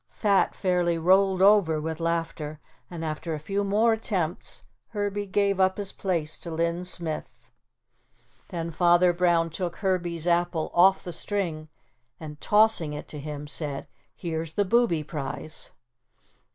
Fat fairly rolled over with laughter and after a few more attempts Herbie gave up his place to Linn Smith. Then Father Brown took Herbie's apple off the string and, tossing it to him, said: "Here's the Boobie prize."